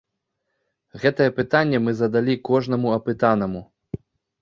Гэтае пытанне мы задалі кожнаму апытанаму.